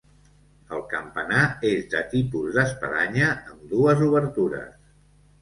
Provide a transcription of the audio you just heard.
El campanar és de tipus d'espadanya, amb dues obertures.